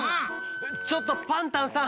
ちょっとパンタンさん。